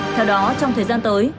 theo đó trong thời gian tới